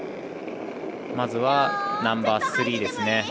まずは、ナンバースリーですね。